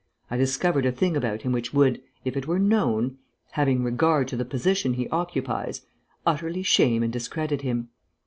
I discovered a thing about him which would, if it were known (having regard to the position he occupies), utterly shame and discredit him.